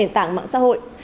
tảng mạng xã hội